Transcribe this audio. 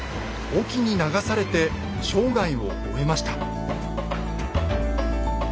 隠岐に流されて生涯を終えました。